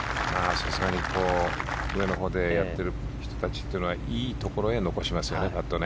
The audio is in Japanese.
さすがに上のほうでやってる人たちはいいところへパットを残しますよね。